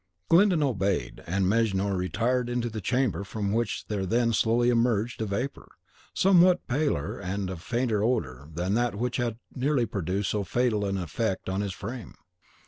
Glyndon obeyed, and Mejnour retired into the chamber, from which there then slowly emerged a vapour, somewhat paler and of fainter odour than that which had nearly produced so fatal an effect on his frame.